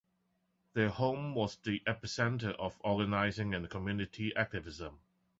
Their home was the epicenter of organizing and community activism.